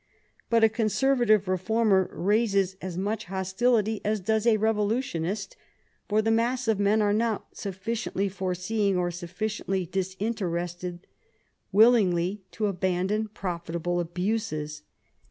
But a conservative reformer raises as much hostility as does a revolutionist, for the mass of men are not sufficiently foreseeing or sufficiently disinterested willingly to abandon profitable abuses.